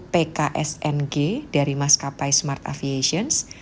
pksng dari maskapai smart aviations